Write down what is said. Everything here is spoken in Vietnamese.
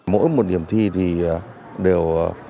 mỗi một điểm thi thì đều